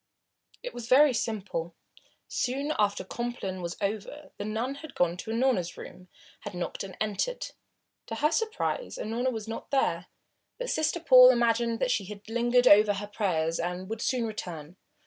It was very simple. Soon after Compline was over the nun had gone to Unorna's room, had knocked and had entered. To her surprise Unorna was not there, but Sister Paul imagined that she had lingered over her prayers and would soon return.